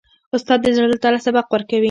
استاد د زړه له تله سبق ورکوي.